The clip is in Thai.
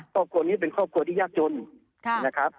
ครอบครัวนี้เป็นครอบครัวที่ยากจนนะครับ